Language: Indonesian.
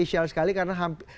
ini spesial sekali karena